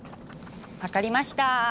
分かりました。